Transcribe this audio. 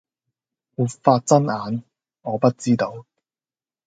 沒法睜眼，我不知道。